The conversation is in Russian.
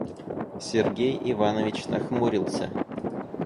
Сергей Иванович нахмурился.